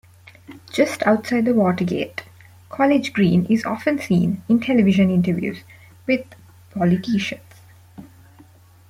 Just outside the watergate, College Green is often seen in television interviews with politicians.